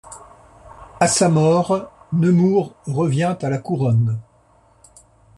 À sa mort, Nemours revient à la Couronne.